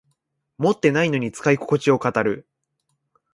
持ってないのに使いここちを語る